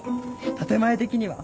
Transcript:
建前的には。